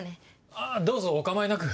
あっどうぞお構いなく。